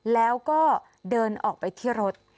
แล้วก็เดินออกไปที่รถ